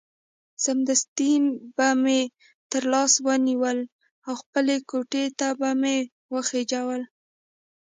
سمدستي به مې تر لاس ونیول او خپلې کوټې ته به مې وخېژول.